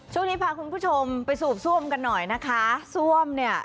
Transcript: ช่วงนี้พาคุณผู้ชมไปสูบซ่วมกันหน่อยนะคะซ่วมเนี่ย